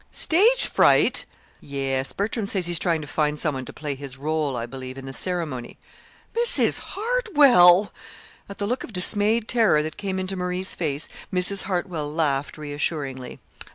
"Stage fright!" "Yes. Bertram says he's trying to find some one to play his rôle, I believe, in the ceremony." "Mrs. Hartwell!" At the look of dismayed terror that came into Marie's face, Mrs. Hartwell laughed reassuringly.